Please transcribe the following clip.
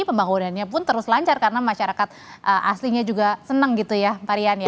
pembangunannya pun terus lancar karena masyarakat aslinya juga senang gitu ya pak rian ya